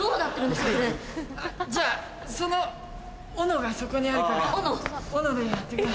じゃあその斧がそこにあるから斧でやってくれ。